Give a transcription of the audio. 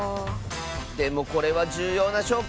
でもこれはじゅうようなしょうこ！